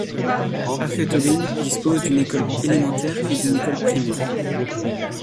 Hagetaubin dispose d'une école élémentaire et d'une école primaire.